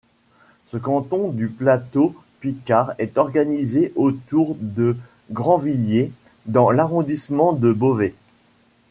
Ce canton du plateau picard est organisé autour de Grandvilliers dans l'arrondissement de Beauvais.